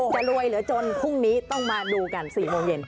จะรวยเหลือจนพรุ่งนี้ต้องมาดูกัน๔โมงเย็น